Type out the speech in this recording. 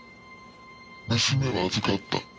「娘は預かった」